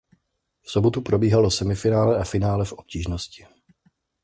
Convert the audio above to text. V sobotu probíhalo semifinále a finále v obtížnosti.